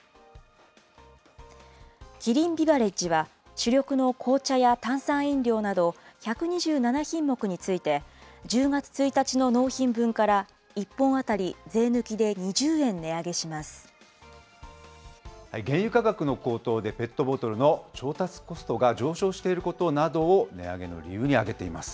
キリンビバレッジは、主力の紅茶や炭酸飲料など、１２７品目について、１０月１日の納品分から１本当たり税抜きで２０円値上げし原油価格の高騰で、ペットボトルの調達コストが上昇していることなどを値上げの理由に挙げています。